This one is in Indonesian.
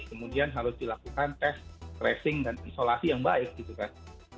kemudian harus dilakukan tes tracing dan isolasi yang baik gitu kan